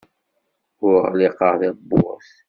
Ur ɣliqeɣ tawwurt.